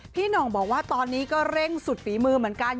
หน่องบอกว่าตอนนี้ก็เร่งสุดฝีมือเหมือนกัน